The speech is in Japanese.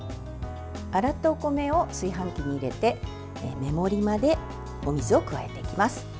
洗ったお米を炊飯器に入れて目盛りまでお水を加えていきます。